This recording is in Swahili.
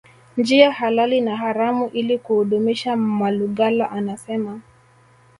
njia halali na haramu ili kuudumisha Malugala anasema